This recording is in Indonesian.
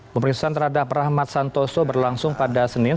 pemeriksaan terhadap rahmat santoso berlangsung pada senin